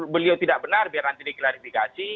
beliau tidak benar biar nanti diklarifikasi